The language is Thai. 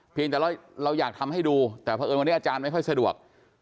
แต่เราอยากทำให้ดูแต่เพราะเอิญวันนี้อาจารย์ไม่ค่อยสะดวก